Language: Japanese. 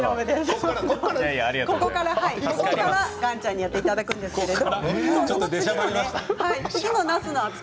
ここから岩ちゃんにやっていただくんですけど。